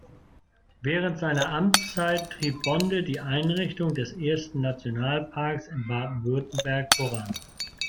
Während seiner Amtszeit trieb Bonde die Einrichtung des ersten Nationalparks in Baden-Württemberg voran.